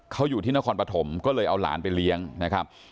เขาอยู่ที่นครปฐมก็เลยเอาหลานไปเลี้ยงนะครับ